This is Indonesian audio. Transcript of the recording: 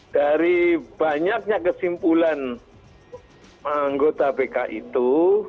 dari banyaknya kesimpulan anggota pk itu